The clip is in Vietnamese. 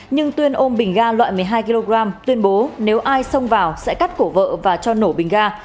nhưng tuyên ôm bình ga loại một mươi hai kg tuyên bố nếu ai xông vào sẽ cắt cổ vợ và cho nổ bình ga